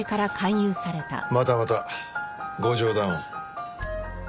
またまたご冗談を。